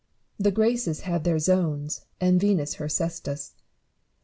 The Graces have their zones, and Venus her cestus.